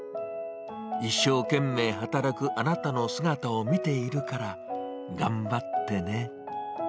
一生懸命働くあなたの姿を見ているから頑張ってね。